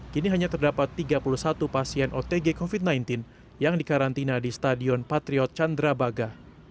kini hanya terdapat tiga puluh satu pasien otg covid sembilan belas yang dikarantina di stadion patriot candrabaga